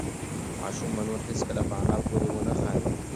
ماشوم به نور هېڅکله په انا پورې ونه خاندي.